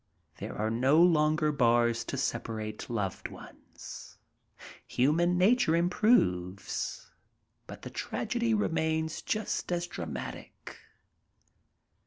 There are no longer bars to separate loved ones. Human nature improves, but the tragedy remains just as dramatic.